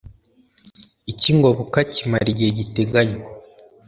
icy ingoboka kimara igihe giteganywa